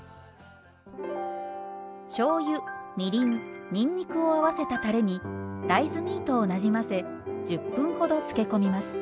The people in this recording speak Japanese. しょうゆみりんにんにくを合わせたたれに大豆ミートをなじませ１０分ほどつけ込みます。